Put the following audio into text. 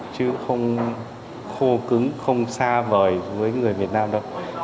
chứ không khô cứng không xa vời với người việt nam đâu